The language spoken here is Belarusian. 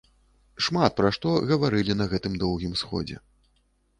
Шмат пра што гаварылі на гэтым доўгім сходзе.